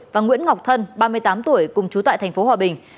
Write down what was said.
và nguyễn ngọc thân ba mươi tám tuổi cùng chú tại tp hòa bình